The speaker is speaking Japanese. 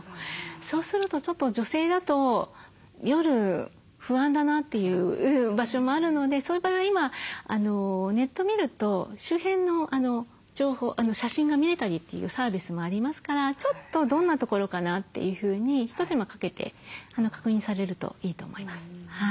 そうするとちょっと女性だと夜不安だなという場所もあるのでそういう場合は今ネット見ると周辺の情報写真が見れたりというサービスもありますからちょっとどんな所かなというふうに一手間かけて確認されるといいと思います。